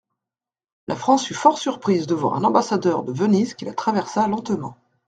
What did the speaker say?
La France fut fort surprise de voir un ambassadeur de Venise qui la traversa lentement.